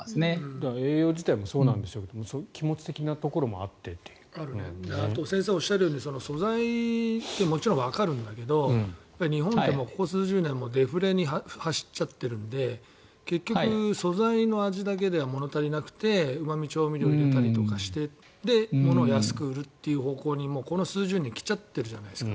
あと先生がおっしゃるように素材ってもちろんわかるんだけど日本ってここ数十年デフレに走っちゃっているので結局、素材の味だけでは物足りなくてうま味調味料を入れたりとかしてものを安く売るっていう方向にこの数十年来ちゃっているわけじゃないですか。